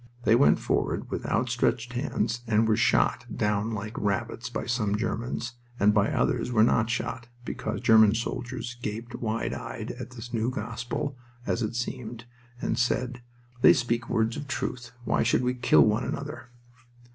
They went forward with outstretched hands, and were shot, down like rabbits by some Germans, and by others were not shot, because German soldiers gaped, wide eyed, at this new gospel, as it seemed, and said: "They speak words of truth. Why should we kill one another?"